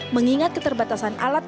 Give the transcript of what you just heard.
mengingat keterbatasan alat dan perusahaan